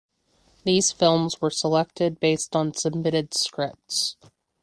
These films were selected based on submitted scripts.